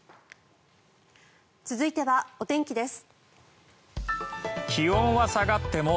続いてはお天気です。